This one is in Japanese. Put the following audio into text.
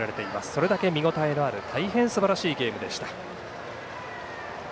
それだけ見応えのある大変すばらしいゲームでした。